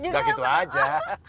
enggak gitu aja